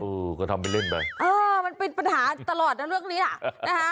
อื้อก็ทำเป็นเล่นไปมันเป็นปัญหาตลอดนะเรื่องนี้อ่ะ